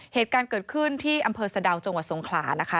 เหตุการณ์เกิดขึ้นที่อำเภอสะดาวจังหวัดสงขลานะคะ